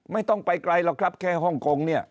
ไม่ต้องไปไกลหรอกครับแค่ฮ่องกงเนี่ย